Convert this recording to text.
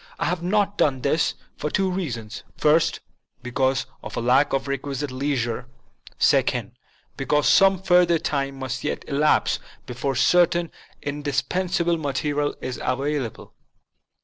I have not done this, for two reasons : first, PREFACE 3 because of a lack of requisite leisure ; second, because some further time must yet elapse before certain indispen sable material is available.